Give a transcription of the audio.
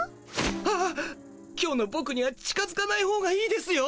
ああ今日のボクには近づかないほうがいいですよ。